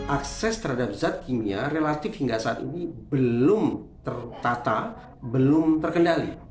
akses terhadap zat kimia relatif hingga saat ini belum tertata belum terkendali